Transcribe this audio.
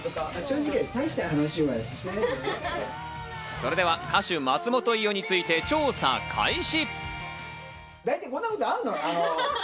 それでは歌手・松本伊代について調査開始。